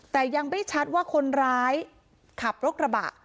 แต่ยังไม่ชัดว่าคนร้ายขับรถกระบะ